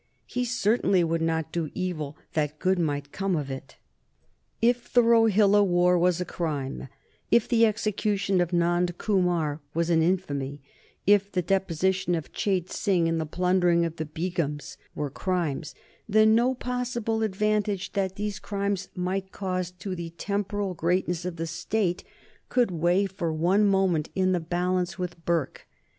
He certainly would not do evil that good might come of it. If the Rohilla war was a crime, if the execution of Nand Kumar was an infamy, if the deposition of Chait Singh and the plundering of the Begums were crimes, then no possible advantage that these acts might cause to the temporal greatness of the State could weigh for one moment in the balance with Burke.